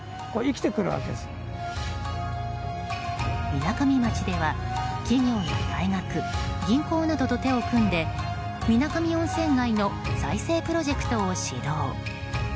みなかみ町では企業や大学、銀行などと手を組んで、水上温泉街の再生プロジェクトを始動。